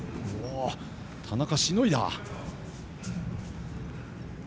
田中、しのいだ。